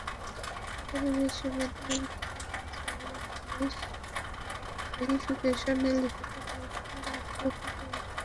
তবে বিশ্ববিদ্যালয় কর্তৃপক্ষ চাইলে পুলিশ ভেরিফিকেশন লিখিত পরীক্ষার আগেও হতে পারে।